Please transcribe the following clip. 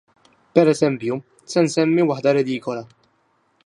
Pereżempju, se nsemmi waħda redikola.